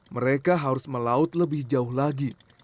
mereka harus melaut lebih jauh lagi